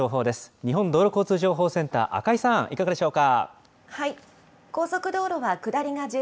日本道路交通情報センター、赤井さん、いかがでしょうか。